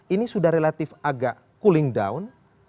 ini sudah relatif agak cooling down